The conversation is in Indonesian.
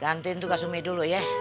gantiin tuh kasus umi dulu ya